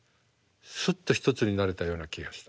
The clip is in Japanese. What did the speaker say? すっと一つになれたような気がした。